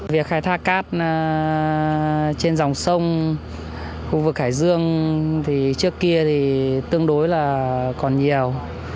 việc khai thác cát trên dòng sông khu vực hải dương thì trước kia thì tương đối là còn nhiều